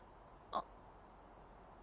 あっ。